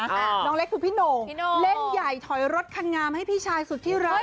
น้องเล็กคือพี่โหน่งเล่นใหญ่ถอยรถคันงามให้พี่ชายสุดที่รัก